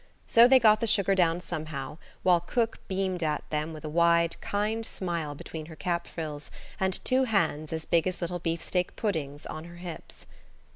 So they got the sugar down somehow, while cook beamed at them with a wide, kind smile between her cap frills, and two hands, as big as little beefsteak puddings, on her hips.